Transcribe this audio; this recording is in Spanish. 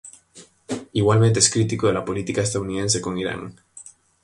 Igualmente es crítico de la política estadounidense con Irán.